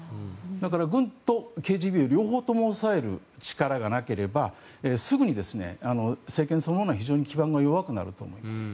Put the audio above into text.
だから軍とＫＧＢを両方とも抑える力がなければすぐに政権そのものは基盤が弱くなると思います。